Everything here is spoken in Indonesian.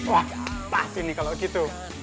wah pas ini kalau gitu